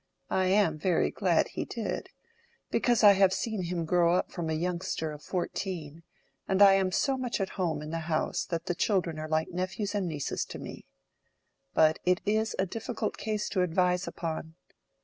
I am very glad he did, because I have seen him grow up from a youngster of fourteen, and I am so much at home in the house that the children are like nephews and nieces to me. But it is a difficult case to advise upon.